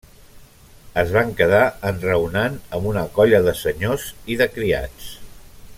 Es van quedar enraonant amb una colla de senyors i de criats.